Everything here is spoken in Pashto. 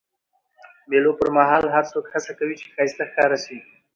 د مېلو پر مهال هر څوک هڅه کوي، چي ښایسته ښکاره سي.